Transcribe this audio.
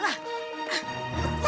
nah saya jalan dulu ya